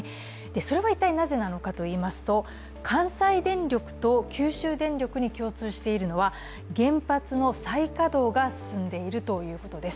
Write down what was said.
それは一体なぜなのかといいますと、関西電力と九州電力に共通しているのは原発の再稼働が進んでいるということです。